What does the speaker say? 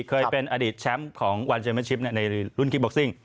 เคยเป็นอดีตแชมป์ของวันเมนชิปในรุ่นคิกบ็อกซิ่ง